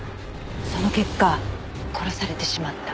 その結果殺されてしまった。